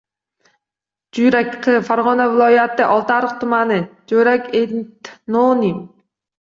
Juyrak – q., Farg‘ona viloyati Oltiariq tumani. Juyrak - etnonim.